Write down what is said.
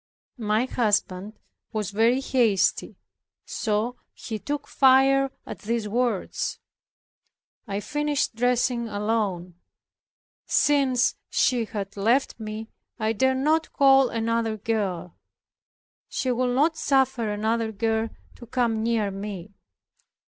My husband was very hasty, so he took fire at these words. I finished dressing alone. Since she had left me I dared not call another girl; she would not suffer another girl to come near me.